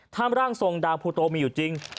ถ้าร่างทรงดาวภูโตมีอยู่จริง